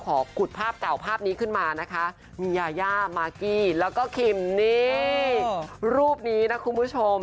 ขอขุดภาพเก่าภาพนี้ขึ้นมานะคะมียาย่ามากกี้แล้วก็คิมนี่รูปนี้นะคุณผู้ชม